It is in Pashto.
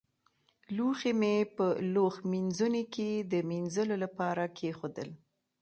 لوښي مې په لوښمینځوني کې د مينځلو لپاره کېښودل.